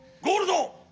ゴールド！